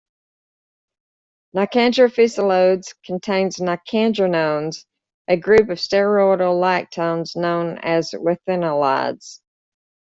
"Nicandra physalodes" contains nicandrenones, a group of the steroidal lactones known as withanolides.